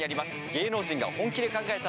『芸能人が本気で考えた！